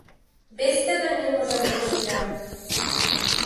Без тебе не можам да живеам.